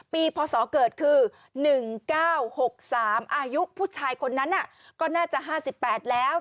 พศเกิดคือ๑๙๖๓อายุผู้ชายคนนั้นก็น่าจะ๕๘แล้ว